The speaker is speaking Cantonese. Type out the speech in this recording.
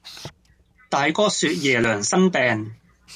大哥説爺娘生病，